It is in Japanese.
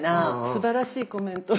すばらしいコメント！